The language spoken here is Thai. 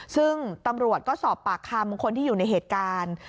ซึ่งตำรวจก็สอบปากคำคนที่อยู่ในเหตุการณ์